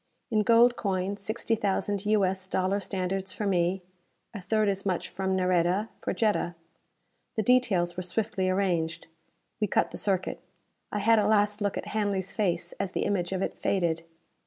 In gold coin, sixty thousand U. S. dollar standards for me; a third as much from Nareda, for Jetta. The details were swiftly arranged. We cut the circuit. I had a last look at Hanley's face as the image of it faded.